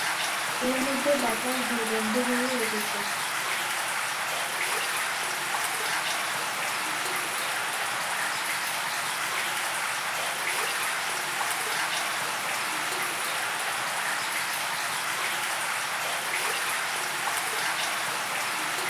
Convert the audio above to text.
আর নিয়ন্ত্রিত আবহাওয়া যেন থাকে।